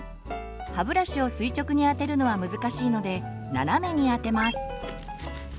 歯ブラシを垂直に当てるのは難しいので斜めに当てます。